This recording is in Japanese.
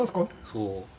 そう。